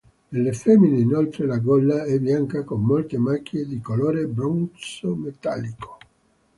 Nelle femmine inoltre la gola è bianca con molte macchie di colore bronzo metallico.